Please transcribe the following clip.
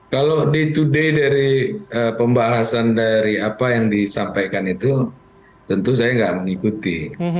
kalau day to day dari pembahasan dari apa yang disampaikan itu tentu saya tidak mengikuti